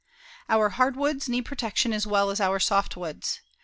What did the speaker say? Our hardwoods need protection as well as our softwoods.